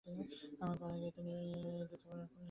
আমি পাড়াগেঁয়ে native doctor, পুলিসের থানার সম্মুখে আমার বাড়ি।